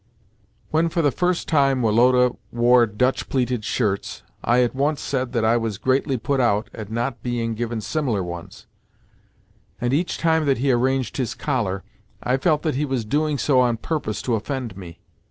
When for the first time Woloda wore Dutch pleated shirts, I at once said that I was greatly put out at not being given similar ones, and each time that he arranged his collar, I felt that he was doing so on purpose to offend me.